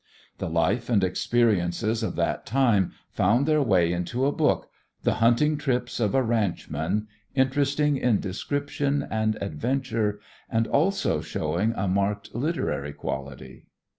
The life and experiences of that time found their way into a book, The Hunting Trips of a Ranchman, interesting in description and adventure and also showing a marked literary quality.